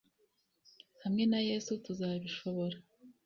hamwe na yesu tuzabishobora